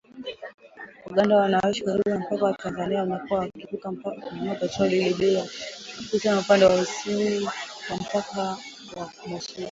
Waganda wanaoishi karibu na mpaka wa Tanzania wamekuwa wakivuka mpaka kununua petroli iliyo bei ya chini , hususan upande wa kusini mwa mpaka wa Mutukula.